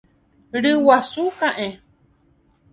Ryguasu ka'ẽ.